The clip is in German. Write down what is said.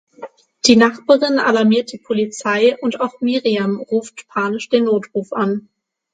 Die Nachbarin alarmiert die Polizei und auch Miriam ruft panisch den Notruf an.